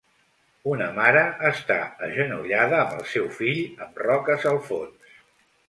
Una mare està agenollada amb el seu fill amb roques al fons.